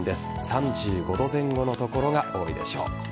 ３５度前後の所が多いでしょう。